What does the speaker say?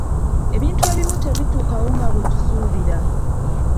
Ebintu ebimu tebituukawo nga bwe tubisuubira.